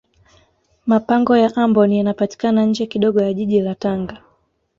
mapango ya amboni yanapatikana nje kidogo ya jiji la tanga